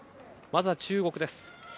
まず中国です。